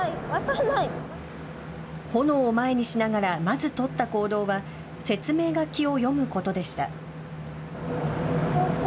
炎を前にしながらまず取った行動は説明書きを読むことでした。